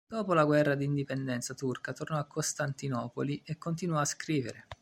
Dopo la Guerra d'indipendenza turca, tornò a Costantinopoli e continuò a scrivere.